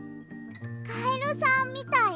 カエルさんみたい？